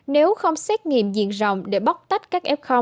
nếu không xét nghiệm diện rộng để bóc tách các f